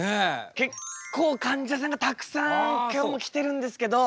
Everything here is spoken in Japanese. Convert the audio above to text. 結構かんじゃさんがたくさん今日も来てるんですけど。